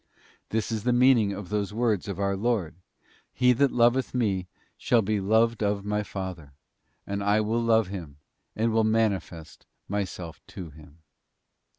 This is the meaning of those words of our Lord, ' He that loveth Me shall be loved of My Father: and I will love him, and will manifest Myself to him.